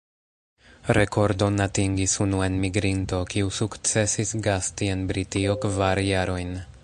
Rekordon atingis unu enmigrinto, kiu sukcesis gasti en Britio kvar jarojn.